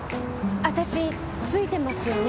あたしツイてますよね？